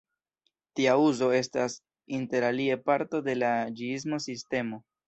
Tia uzo estas interalie parto de la ĝiismo-sistemo.